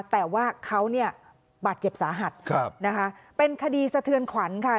แต่ว่าเขาเนี่ยบาดเจ็บสาหัสนะคะเป็นคดีสะเทือนขวัญค่ะ